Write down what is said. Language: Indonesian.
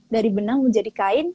dari benang menjadi kain